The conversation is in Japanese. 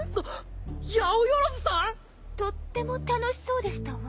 八百万さん⁉とっても楽しそうでしたわ。